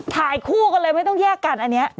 ถ่ายคู่กันเลยไม่ต้องแยกกันอันนี้